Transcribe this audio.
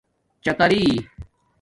چاتٰری